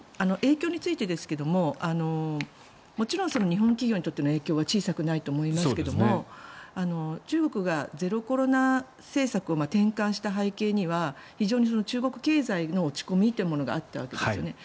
影響についてですがもちろん日本企業にとっての影響は小さくないと思いますが中国がゼロコロナ政策を転換した背景には非常に中国経済の落ち込みというものがあったわけですよね。